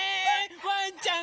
ワンちゃん